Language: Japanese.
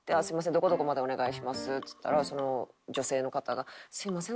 どこどこまでお願いします」っつったらその女性の方が「すみません。